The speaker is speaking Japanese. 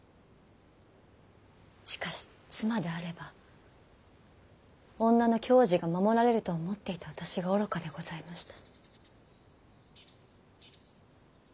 しかし妻であれば女の矜持が守られると思っていた私が愚かでございました。